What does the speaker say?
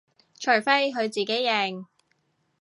除非佢自己認